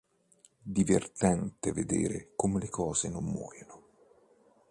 Divertente vedere come le cose non muoiono.